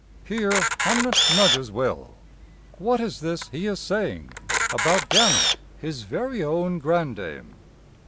Here Hamnet nudges Will. What is this he is saying? About Gammer, his very own grandame?